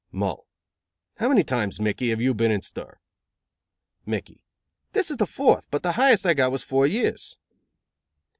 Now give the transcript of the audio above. Mull: "How many times, Mickey, have you been in stir?" Mickey: "This is the fourth, but the highest I got was four years."